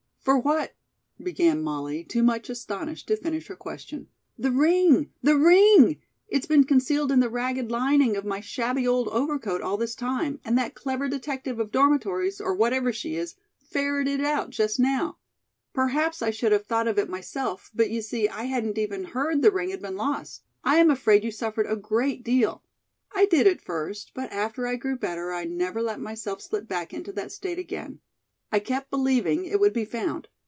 "For what " began Molly, too much astonished to finish her question. "The ring! The ring! It's been concealed in the ragged lining of my shabby old overcoat all this time, and that clever detective of dormitories, or whatever she is, ferreted it out just now. Perhaps I should have thought of it myself; but, you see, I hadn't even heard the ring had been lost. I am afraid you suffered a great deal." "I did at first; but after I grew better I never let myself slip back into that state again. I kept believing it would be found.